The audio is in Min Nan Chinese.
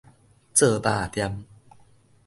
做肉砧